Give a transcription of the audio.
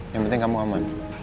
yang penting kamu berhati hati